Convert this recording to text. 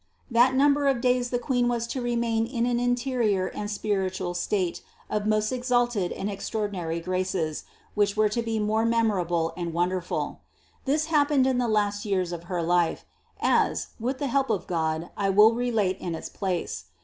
That number of days the Queen was to remain in an interior and spiritual state of most exalted and extraordinary graces, which were to be more memorable and wonderful. This hap pened in the last years of her life, as, with the help of God, I will relate in its place.